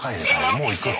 もう行くの？